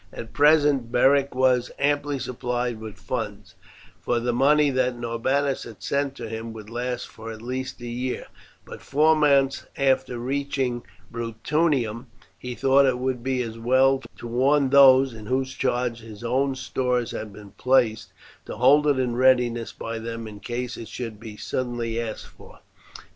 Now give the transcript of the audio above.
At present Beric was amply supplied with funds, for the money that Norbanus had sent to him would last for at least a year; but, four months after reaching Bruttium, he thought it would be as well to warn those in whose charge his own stores had been placed, to hold it in readiness by them in case it should be suddenly asked for.